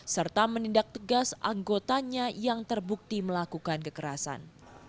serta menindak tegas anggotanya yang terbukti melakukan kekerasan